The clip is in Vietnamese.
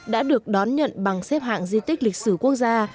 đã được đón nhận bằng xếp hạng di tích lịch sử quốc gia